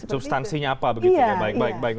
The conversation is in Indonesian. substansinya apa begitu ya baik baik